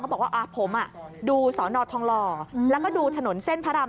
บอกว่าผมดูสอนอทองหล่อแล้วก็ดูถนนเส้นพระราม